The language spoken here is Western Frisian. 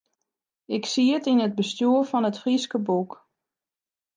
Ik siet yn it bestjoer fan It Fryske Boek.